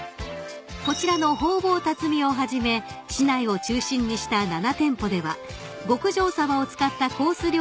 ［こちらの方宝たつみをはじめ市内を中心にした７店舗では極上さばを使ったコース